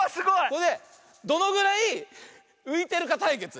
それでどのぐらいういてるかたいけつ。